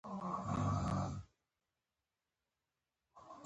پکورې له بادنجان سره هم پخېږي